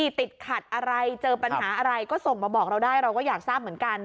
ติดขัดอะไรเจอปัญหาอะไรก็ส่งมาบอกเราได้เราก็อยากทราบเหมือนกัน